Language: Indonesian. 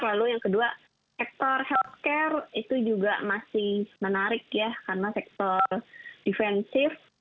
lalu yang kedua sektor healthcare itu juga masih menarik ya karena sektor defensif